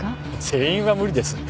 全員は無理です。